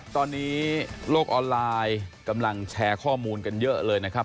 ตอนนี้โลกออนไลน์กำลังแชร์ข้อมูลกันเยอะเลยนะครับ